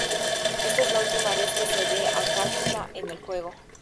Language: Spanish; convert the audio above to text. Esta es la última vez que se ve a Kafka en el juego.